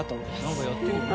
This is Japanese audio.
何かやってるよ